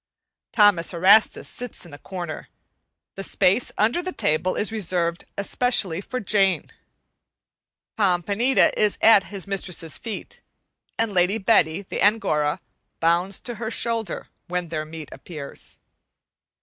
Thomas Erastus sits in a corner; the space under the table is reserved especially for Jane. Pompanita is at his mistress's feet, and Lady Betty, the Angora, bounds to her shoulder when their meat appears.